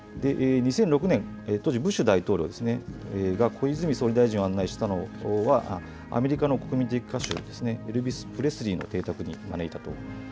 ２００６年、当時ブッシュ大統領が小泉総理大臣を案内したのはアメリカの国民的歌手、エルビス・プレスリーの邸宅に招いたと。